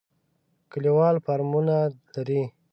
کلیوال فارمونه لري.